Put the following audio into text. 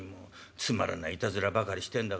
つまらないいたずらばかりしてんだから。